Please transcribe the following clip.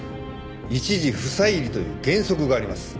一事不再理という原則があります。